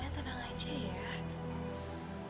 ya terang aja ya